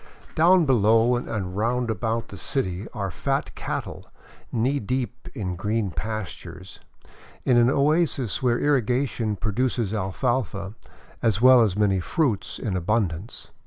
Down below and round about the city are fat cattle knee deep in green pastures, in an oasis where irrigation pro duces alfalfa, as well as many fruits, in abundance.